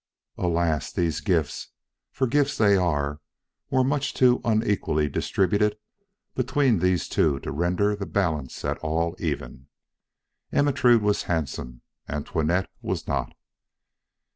Alas! these gifts, for gifts they are, were much too unequally distributed between these two to render the balance at all even. Ermentrude was handsome; Antoinette was not.